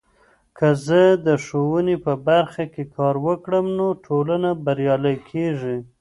که زه د ښوونې په برخه کې کار وکړم، نو ټولنه بریالۍ کیږي.